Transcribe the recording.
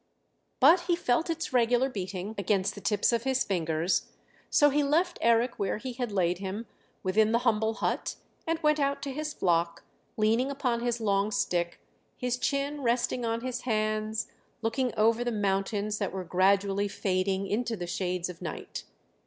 But he felt its regular beating against the tips of his fingers; so he left Eric where he had laid him within the humble hut and went out to his flock, leaning upon his long stick, his chin resting on his hands, looking over the mountains that were gradually fading into the shades of night.